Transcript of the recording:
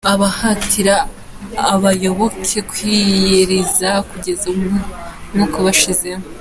Abahatira abayoboke kwiyiriza kugeza umwuka ubashizemo.